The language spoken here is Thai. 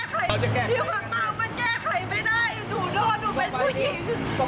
ความมากมันแยกใครไม่ได้หนูโดนหนูเป็นผู้หญิง